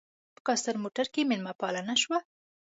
په کاسټر موټر کې مېلمه پالنه شوه.